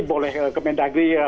boleh kemen dagri